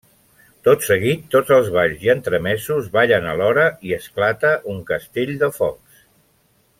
Tot seguit tots els balls i entremesos ballen alhora i esclata un castell de focs.